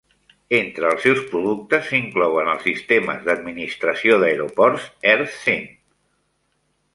Entre els seus productes s'inclouen els sistemes d'administració d'aeroports "AirScene".